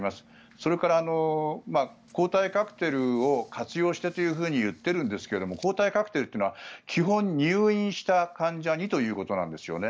それから抗体カクテルを活用してと言っているんですけど抗体カクテルというのは基本、入院した患者にということなんですよね。